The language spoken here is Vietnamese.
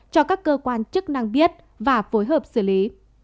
cho các cơ quan chức năng biết và phối hợp xử lý